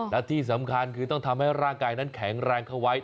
และที่สำคัญคือต้องทำให้ร่างกายนั้นแข็งแรงเข้าไว้